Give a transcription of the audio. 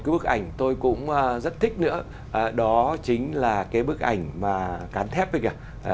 bức ảnh tôi cũng rất thích nữa đó chính là cái bức ảnh mà cán thép đây kìa